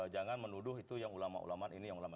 jangan menuduh itu yang ulama ulama ini yang ulama